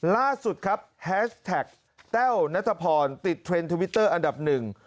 ล่าสุดครับแฮชแท็กแต้วนัทพรติดเทรนด์ทวิตเตอร์อันดับหนึ่ง